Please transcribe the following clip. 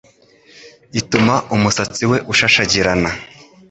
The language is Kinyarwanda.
ituma umusatsi we ushashagirana